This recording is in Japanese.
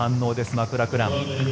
マクラクラン。